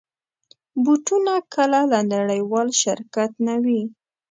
بوټونه کله له نړېوال شرکت نه وي.